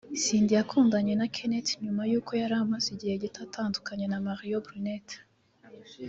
Cindy yakundanye na Kenneth nyuma y’uko yari amaze igihe gito atandukanye na Mario Brunnet